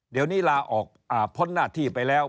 เดี๋ยวนี้ลาออกพ้นหน้าที่ไปแล้ว